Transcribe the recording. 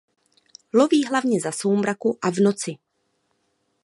Loví hlavně za soumraku a v noci.